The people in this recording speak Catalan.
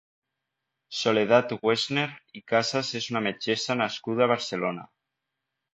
Soledat Woessner i Casas és una metgessa nascuda a Barcelona.